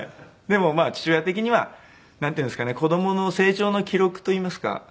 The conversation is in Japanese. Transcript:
でもまあ父親的にはなんていうんですかね子供の成長の記録といいますか。